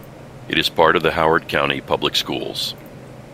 It is part of the Howard County public schools.